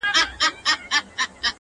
په هغوی بیا د امیر اطاعت واجب دی